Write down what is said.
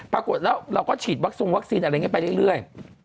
ปรากฏแล้วเราก็ฉีดวัคซงวัคซีนอะไรอย่างนี้ไปเรื่อย